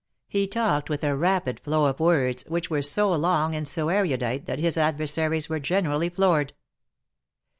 He talked with a rapid flow of words, which were so long and so erudite that his adversaries were generally floored.